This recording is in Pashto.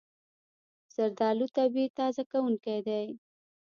زردالو طبیعي تازه کوونکی دی.